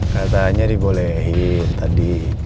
katanya dibolehin tadi